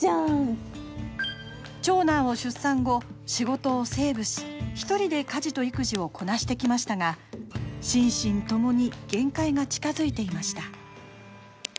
長男を出産後、仕事をセーブし１人で家事と育児をこなしてきましたが心身ともに限界が近づいていました。